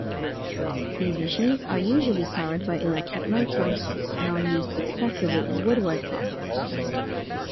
These machines are usually powered by electric motors and are used extensively in woodworking.